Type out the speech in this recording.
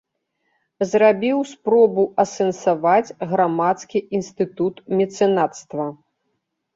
Зрабіў спробу асэнсаваць грамадскі інстытут мецэнацтва.